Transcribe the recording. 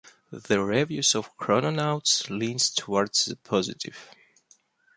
The reviews of "Chrononauts" leans towards the positive.